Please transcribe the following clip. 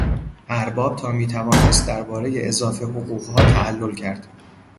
ارباب تا میتوانست دربارهی اضافه حقوقها تعلل کرد.